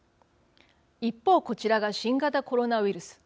一方、こちらが新型コロナウイルス。